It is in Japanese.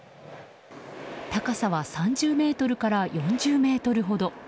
高さは３０ｍから４０ｍほど。